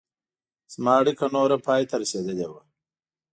زما اړیکه نوره پای ته رسېدلې وه.